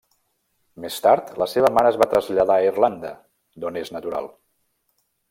Més tard, la seva mare es va traslladar a Irlanda, d'on és natural.